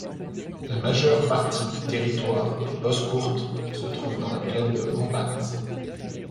La majeure partie du territoire de Bozkurt se trouve dans la plaine de Hambat.